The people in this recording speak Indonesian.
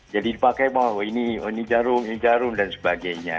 jadi dipakai ini jarum ini jarum dan sebagainya